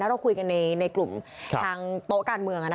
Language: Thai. เราคุยกันในกลุ่มทางโต๊ะการเมือง